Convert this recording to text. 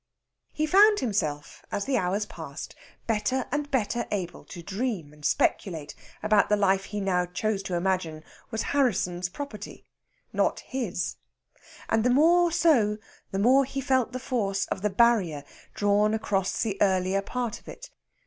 He found himself, as the hours passed, better and better able to dream and speculate about the life he now chose to imagine was Harrisson's property, not his; and the more so the more he felt the force of the barrier drawn across the earlier part of it.